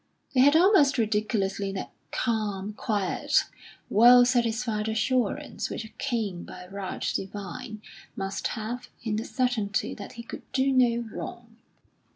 They had almost ridiculously that calm, quiet, well satisfied assurance which a king by right divine might have in the certainty that he could do no wrong.